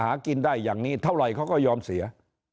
หากินได้อย่างนี้เท่าไหร่เขาก็ยอมเสีย